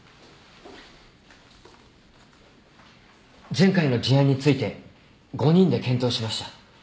前回の事案について５人で検討しました。